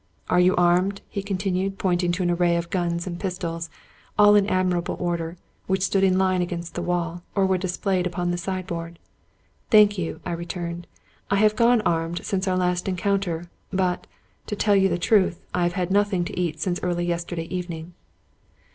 "Are you armed?" he continued, pointing to an array of guns and pistols, all in admirable order, which stood in line against the wall or were displayed upon the 'sideboard. " Thank you," I returned ;" I have gone armed since our last encounter. But, to tell you the truth, I have had noth ing to eat since early yesterday evening."